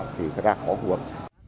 thì ra khổ của quận